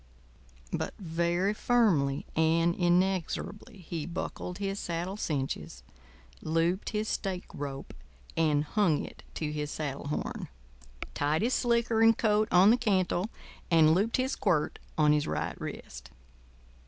But very firmly and inexorably he buckled his saddle cinches, looped his stake rope and hung it to his saddle horn, tied his slicker and coat on the cantle, and looped his quirt on his right wrist.